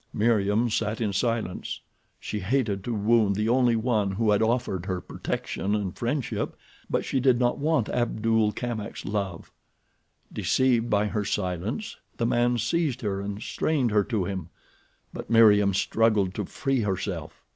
Meriem sat in silence. She hated to wound the only one who had offered her protection and friendship; but she did not want Abdul Kamak's love. Deceived by her silence the man seized her and strained her to him; but Meriem struggled to free herself.